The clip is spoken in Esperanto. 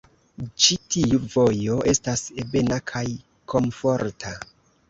Ĉi tiu vojo estas ebena kaj komforta.